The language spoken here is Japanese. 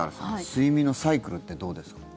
睡眠のサイクルってどうですか？